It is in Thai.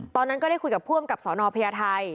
ตอนนั้นก็ได้คุยกับผู้อำกับสนพญาไทย